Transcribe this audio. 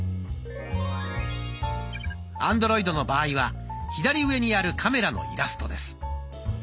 アンドロイドの場合は左上にあるカメラのイラストです。